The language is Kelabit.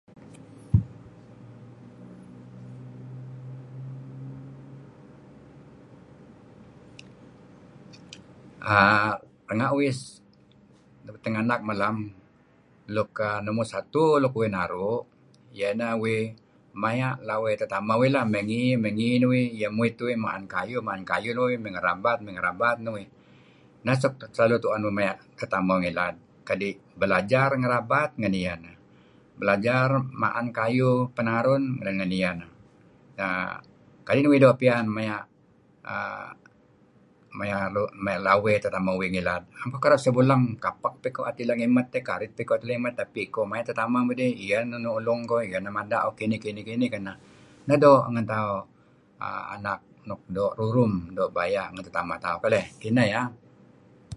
err Renga' uih tinganak malem luk err numur satu luk uih naru' maya' lawey tetamah uih leh mey ngi mey ngi iyeh muit uih ma'en kayuh maya' iyeh mey ngerabat uih neh suk tu'en kuh kadi' belajar ngerabat ngan iyeh belajar ma'en kayuh peh narun ngan iyeh kadi' uih doo' piyan err maya lawey tetameh uih. am kereb sebuleng, kapek peh am tikoh mileh ngimet karit peh am tikoh mileh tetameh mudih nulung koh iyeh mada' dih kinih kinih kenah'. Neh doo' anak nuk doo' rurum maya tetamah dedih keleh. Kineh iyeh.